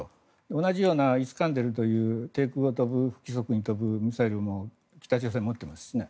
同じようなイスカンデルという低空で不規則に飛ぶものも北朝鮮は持ってますね。